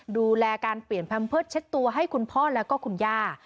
ดูแลการเปลี่ยนแพมเพิร์ตเช็ดตัวให้คุณพ่อแล้วก็คุณย่า